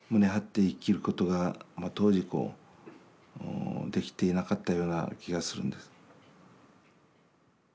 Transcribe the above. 胸張って生きることが当時できていなかったような気がするんです。